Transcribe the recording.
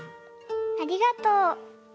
ありがとう。